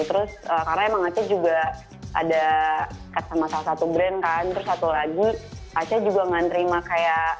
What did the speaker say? terus karena emang aca juga ada cat sama salah satu brand kan terus satu lagi aca juga gak nerima kayak